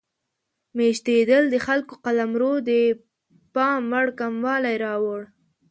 میشتېدل د خلکو قلمرو د پام وړ کموالی راوړ.